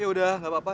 yaudah nggak apa apa